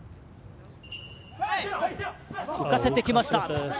浮かせてきました。